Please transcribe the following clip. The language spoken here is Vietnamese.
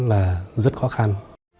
là rất khó khăn